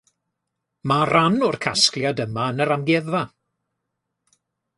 Mae rhan o'r casgliad yma yn yr amgueddfa